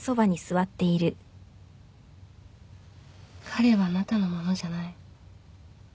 彼はあなたのものじゃない